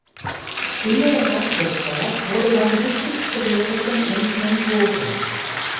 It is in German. Inge Rapoport wurde seine wichtigste Lehrerin und Mentorin.